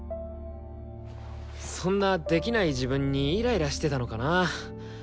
そんなできない自分にイライラしてたのかな。